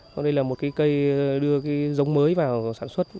đây là một cây đưa giống mới vào sản xuất